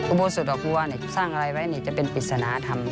โบสถดอกบัวสร้างอะไรไว้จะเป็นปริศนธรรม